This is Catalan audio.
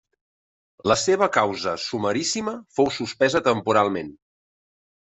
La seva causa sumaríssima fou suspesa temporalment.